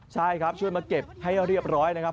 ใช่ครับช่วยมาเก็บให้เรียบร้อยนะครับ